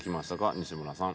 西村さん。